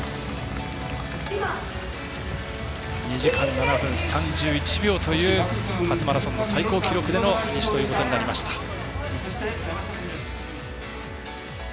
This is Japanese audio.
２時間７分３１秒という初マラソンの最高記録でのフィニッシュということになりました。